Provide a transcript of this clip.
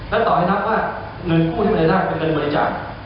และต่อให้นับว่าเงินผู้ที่รายได้เป็นเงินบริจาค